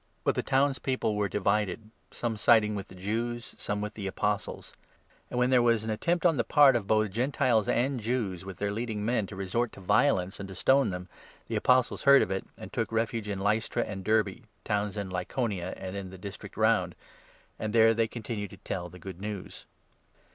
But the townspeople were divided, some siding 4 with the Jews, some with the Apostles ; and, when there was 5 an attempt on the part of both Gentiles and Jews, with their leading men, to resort to violence and to stone them, the 6 Apostles heard of it, and took refuge in Lystra and Derbe, towns in Lycaonia, and in the district round, and there they 7 continued to tell the Good News.